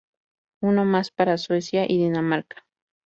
Uno más para Suecia y Dinamarca.